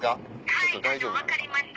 はい分かりました。